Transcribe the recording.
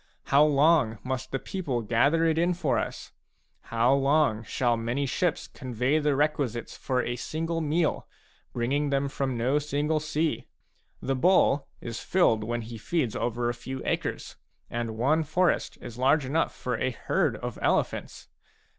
How long must the people gather it in for us ? How long shall many ships convey the requisites for a single meal, bring ing them from no single sea ? The bull is filled when he feeds over a few acres ; and one forest is large enough for a herd of elephants.